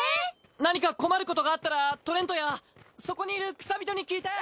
何か困ることがあったらトレントやそこにいる草人に聞いて！